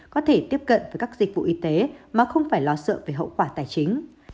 có thể tiếp cận với các dịch vụ y tế mà không phải lo sợ về hậu quả tài chính